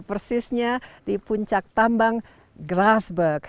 persisnya di puncak tambang grasberg